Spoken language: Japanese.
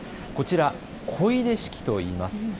こちら、漕出式といいます。